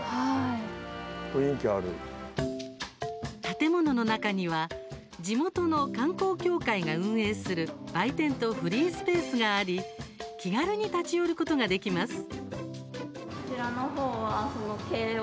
建物の中には地元の観光協会が運営する売店とフリースペースがあり気軽に立ち寄ることができます。